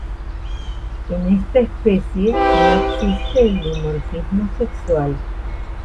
En esta especie no existe el dimorfismo sexual.